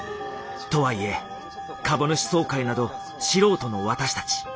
とはいえ株主総会など素人の私たち。